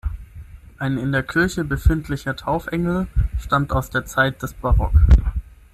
Ein in der Kirche befindlicher Taufengel stammt aus der Zeit des Barock.